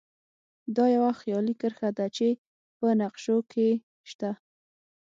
دا یوه خیالي کرښه ده چې په نقشو کې شته